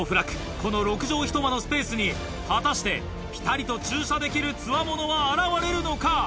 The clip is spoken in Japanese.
この６畳１間のスペースに果たしてぴたりと駐車できるつわものは現れるのか？